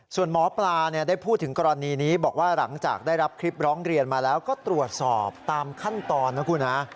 ส่วนหมอปลาได้พูดถึงกรณีนี้บอกว่าหลังจากได้รับคลิปร้องเรียนมาแล้วก็ตรวจสอบตามขั้นตอนนะคุณฮะ